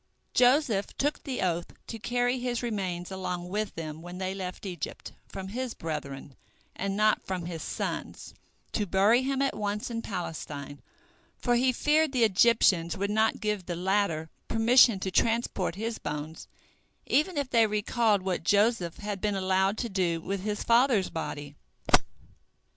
Joseph took the oath, to carry his remains along with them when they left Egypt, from his brethren, and not from his sons, to bury him at once in Palestine, for he feared the Egyptians would not give the latter permission to transport his bones even if they recalled what Joseph had been allowed to do with his father's body.